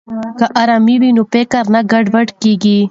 که ارامي وي نو فکر نه ګډوډیږي.